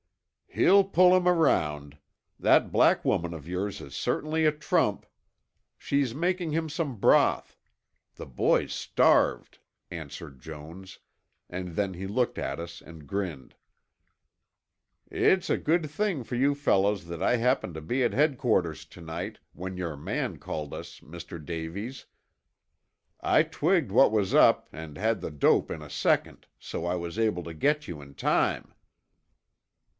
"He'll pull him around. That black woman of yours is certainly a trump. She's making him some broth. The boy's starved," answered Jones, then he looked at us and grinned. "It's a good thing for you fellows that I happened to be at Headquarters to night, when your man called us, Mr. Davies. I twigged what was up and had the dope in a second, so I was able to get to you in time."